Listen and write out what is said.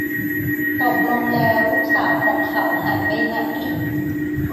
ตกลงแล้วลูกสาวของเขาหายไปไหน